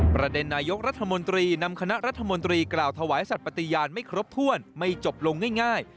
นายกรัฐมนตรีนำคณะรัฐมนตรีกล่าวถวายสัตว์ปฏิญาณไม่ครบถ้วนไม่จบลงง่าย